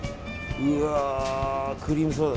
うわー、クリームソーダ。